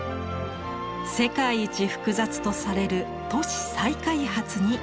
「世界一複雑とされる都市再開発」に挑む。